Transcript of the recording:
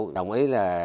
đồng ý là